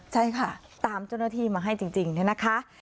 ใช่ค่ะตามเจ้าหน้าที่มาให้จริงเนี่ยนะคะ